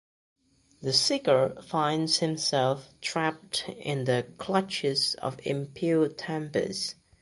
The seeker finds himself trapped in the clutches of impure tempers.